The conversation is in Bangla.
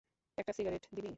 একটা সিগারেট দিবি?